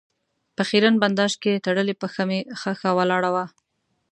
په خېرن بنداژ کې تړلې پښه مې ښخه ولاړه وه.